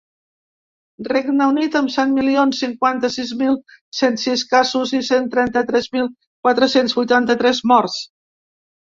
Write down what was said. Regne Unit, amb set milions cinquanta-sis mil cent sis casos i cent trenta-tres mil quatre-cents vuitanta-tres morts.